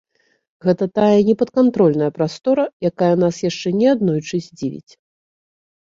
Гэта тая непадкантрольная прастора, якая нас яшчэ не аднойчы здзівіць.